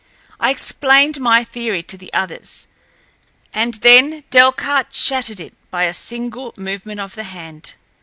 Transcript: I explained my theory to the others, and then Delcarte shattered it by a single movement of the hand.